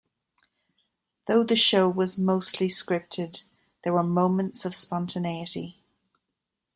Though the show was mostly scripted, there were moments of spontaneity.